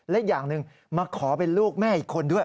และอย่างหนึ่งมาขอเป็นลูกแม่อีกคนด้วย